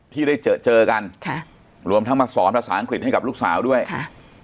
ที่ได้เจอเจอกันค่ะรวมทั้งมาสอนภาษาอังกฤษให้กับลูกสาวด้วยค่ะ